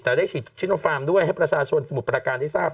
แต่ได้ฉีดชิโนฟาร์มด้วยให้ประชาชนสมุทรประการได้ทราบ